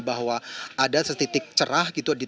bahwa ada setitik cerah gitu